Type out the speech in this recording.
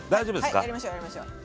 はいやりましょうやりましょう。